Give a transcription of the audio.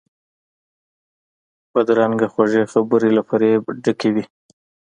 بدرنګه خوږې خبرې له فریب ډکې وي